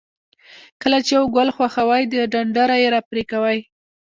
کله چې یو ګل خوښوئ د ډنډره یې را پرې کوئ.